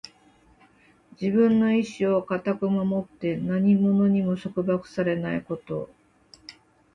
自分の意志を固く守って、何者にも束縛されないこと。